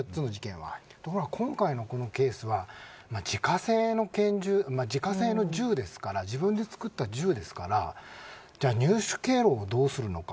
ただ今回のケースは自家製の拳銃自家製の銃ですから自分で作った銃ですから入手経路をどうするのか。